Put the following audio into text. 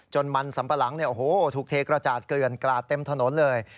จนมันสัมปะหลังถูกเทกระจาดเกลือนกลาดเต็มถนนเลย